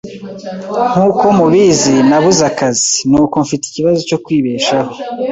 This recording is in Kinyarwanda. Nkuko mubizi, nabuze akazi, nuko mfite ikibazo cyo kwibeshaho.